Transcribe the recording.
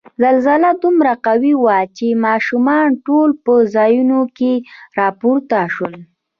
زلزله دومره قوي وه چې ماشومان ټول په ځایونو کې را پورته شول.